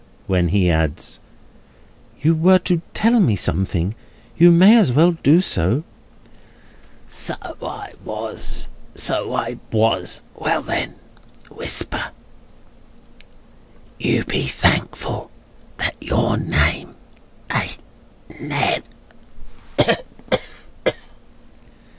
when he adds: "You were to tell me something; you may as well do so." "So I was, so I was. Well, then. Whisper. You be thankful that your name ain't Ned."